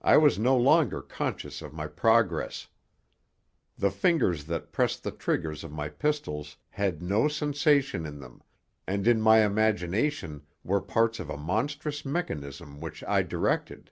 I was no longer conscious of my progress. The fingers that pressed the triggers of my pistols had no sensation in them, and in my imagination were parts of a monstrous mechanism which I directed.